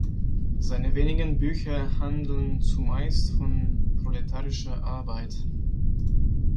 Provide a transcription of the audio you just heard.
Seine wenigen Bücher handeln zumeist von proletarischer Arbeit.